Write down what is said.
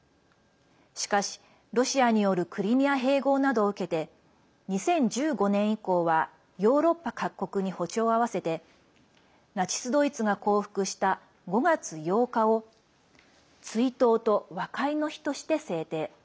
しかし、ロシアによるクリミア併合などを受けて２０１５年以降はヨーロッパ各国に歩調を合わせてナチス・ドイツが降伏した５月８日を追悼と和解の日として制定。